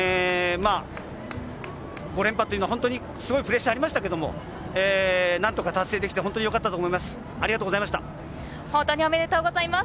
５連覇は、すごいプレッシャーもありましたけど、何とか達成できて本当によかったです。